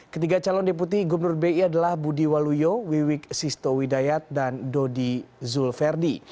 ketiga calon deputi gubernur bi adalah budi waluyo wiwik sisto widayat dan dodi zulverdi